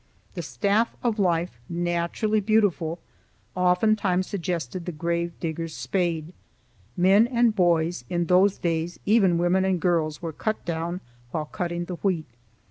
The staff of life, naturally beautiful, oftentimes suggested the grave digger's spade. Men and boys, and in those days even women and girls, were cut down while cutting the wheat.